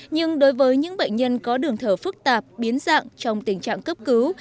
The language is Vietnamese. nhưng đối với những bệnh nhân có đường thở phức tạp biến dạng trong tình trạng cấp cứu